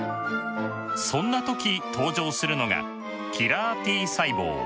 そんな時登場するのがキラーＴ細胞。